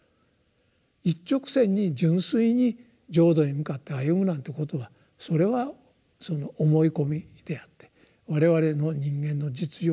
一直線に純粋に浄土に向かって歩むなんてことはそれは思い込みであって我々の人間の実情を見ればですね